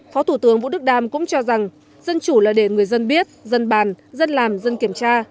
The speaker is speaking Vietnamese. phó thủ tướng vũ đức đam cũng cho rằng dân chủ là để người dân biết dân bàn dân làm dân kiểm tra